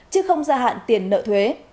chứ không gia hạn tiền nợ thuế